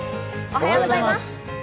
おはようございます。